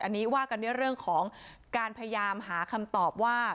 อันนี้ว่ากันด้วยเรื่องของการพยายามหาคำตอบว่า